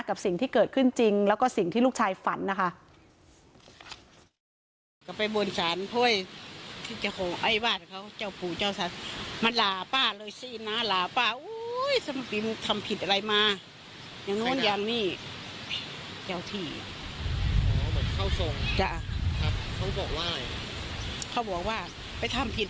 กับสิ่งที่เกิดขึ้นจริงแล้วก็สิ่งที่ลูกชายฝันนะคะ